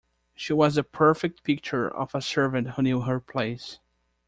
She was the perfect picture of a servant who knew her place.